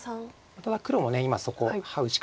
ただ黒も今そこハウしかないです。